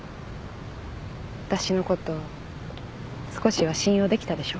私のこと少しは信用できたでしょ？